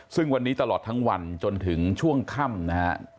ซึ่งวันนี้ตลอดทั้งวันจนถึงช่วงค่ำนะฮะ